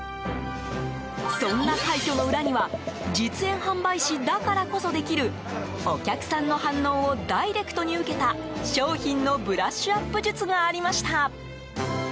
そんな快挙の裏には実演販売士だからこそできるお客さんの反応をダイレクトに受けた商品のブラッシュアップ術がありました。